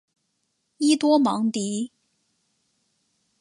伊多芒迪。